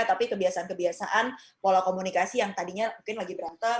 tapi kebiasaan kebiasaan pola komunikasi yang tadinya mungkin lagi berantem